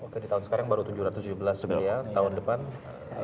oke di tahun sekarang baru tujuh ratus tujuh belas miliar tahun depan